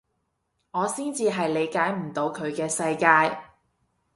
我先至係理解唔到佢嘅世界